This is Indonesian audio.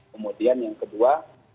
kemudian yang kedua